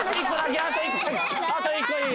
あと１個いい？